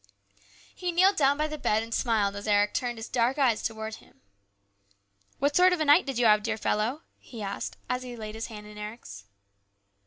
He kneeled down by the bed and smiled as Eric turned his dark eyes towards him. " What sort of a night did you have, dear fellow," he asked as he laid his hand in Eric's.